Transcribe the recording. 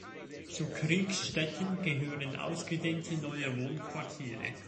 Zu Kriegstetten gehören ausgedehnte neue Wohnquartiere.